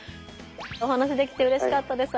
お話しできてうれしかったです。